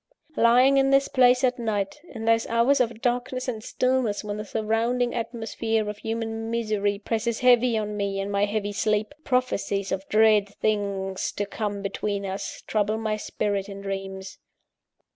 Lying in this place at night, in those hours of darkness and stillness when the surrounding atmosphere of human misery presses heavy on me in my heavy sleep, prophecies of dread things to come between us, trouble my spirit in dreams.